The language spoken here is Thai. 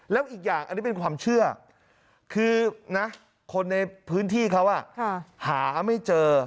แล้วอีกอย่างอันนี้เป็นความเชื่อคือนะคนในพื้นที่เขาหาไม่เจอ